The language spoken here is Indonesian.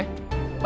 baik pak bos